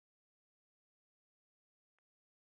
y’igeragezwa, rigashingirwaho mu kwemererwa akazi